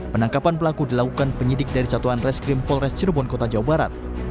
penangkapan pelaku dilakukan penyidik dari satuan reskrim polres cirebon kota jawa barat